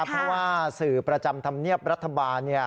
เพราะว่าสื่อประจำธรรมเนียบรัฐบาล